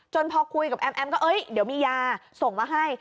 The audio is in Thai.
จนพอคุยกับแอมก็เฮ้ยเดี๋ยวมียาส่งมาให้